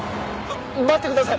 待ってください！